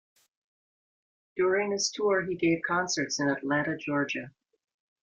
During this tour, he gave concerts in Atlanta, Georgia.